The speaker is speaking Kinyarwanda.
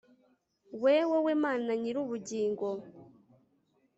we, wowe mana nyir'ubugingo